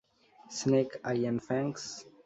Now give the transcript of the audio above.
Snake eye and fangs?